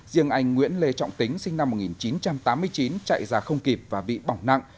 riêng anh nguyễn lê trọng tính sinh năm một nghìn chín trăm tám mươi chín chạy ra không kịp và bị bỏng nặng